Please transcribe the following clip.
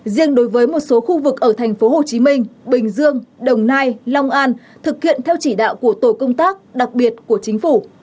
riêng đối với một số khu vực ở thành phố hồ chí minh bình dương đồng nai long an thực hiện theo chỉ đạo của tổ công tác đặc biệt của chính phủ